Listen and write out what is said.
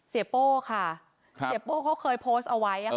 โป้ค่ะเสียโป้เขาเคยโพสต์เอาไว้